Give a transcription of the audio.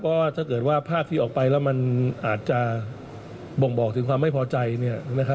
เพราะถ้าเกิดว่าการที่มันออกไปอาจจะบ่งบอกถึงความไม่พอใจ